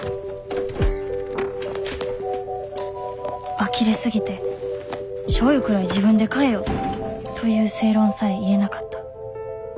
あきれ過ぎて「しょうゆくらい自分で買えよ！」という正論さえ言えなかった